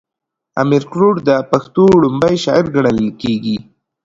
امير کروړ د پښتو ړومبی شاعر ګڼلی کيږي